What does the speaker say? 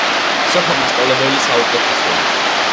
სოფო მასწავლებელი საუკეთესოა